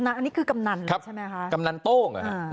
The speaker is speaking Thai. อันนี้คือกำนานใช่ไหมครับ